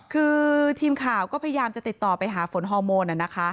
คือทีมข่าวก็พยายามจะติดต่อไปหาฝนฮอร์โมน